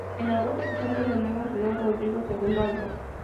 En agosto presentan de nuevo en Ciudad Rodrigo el segundo álbum.